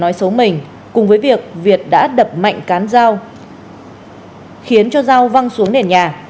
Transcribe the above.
nói xấu mình cùng với việc việt đã đập mạnh cán dao khiến cho rau văng xuống nền nhà